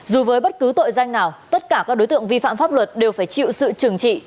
dù với bất cứ tội danh nào tất cả các đối tượng vi phạm pháp luật đều phải chịu sự trừng trị